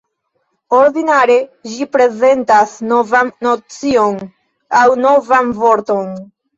Ordinare ĝi prezentas novan nocion aŭ novan vorton.